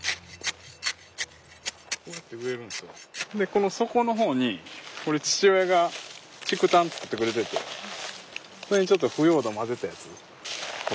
この底の方に父親が竹炭作ってくれててそれにちょっと腐葉土混ぜたやつこれ。